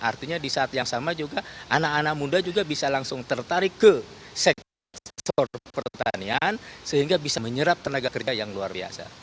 artinya di saat yang sama juga anak anak muda juga bisa langsung tertarik ke sektor pertanian sehingga bisa menyerap tenaga kerja yang luar biasa